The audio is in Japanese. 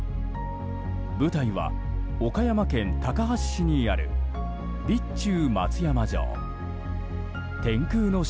舞台は岡山県高梁市にある備中松山城。